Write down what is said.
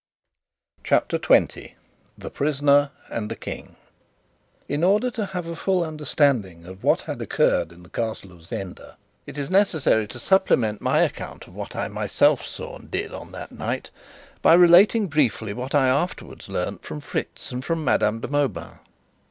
CHAPTER 20 The Prisoner and the King In order to a full understanding of what had occurred in the Castle of Zenda, it is necessary to supplement my account of what I myself saw and did on that night by relating briefly what I afterwards learnt from Fritz and Madame de Mauban.